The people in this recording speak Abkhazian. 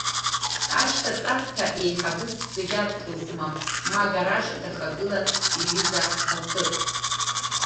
Ашьҭаҵарҭа еиҳабыс зегьы арҭозма, ма агараж дахагылан иҩыза Баҭыр.